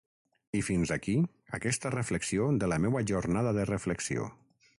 I fins aquí aquesta reflexió de la meua jornada de reflexió.